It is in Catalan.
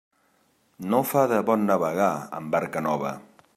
No fa de bon navegar amb barca nova.